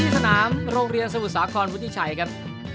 สนามโรงเรียนสมุทรสาครวุฒิชัยครับ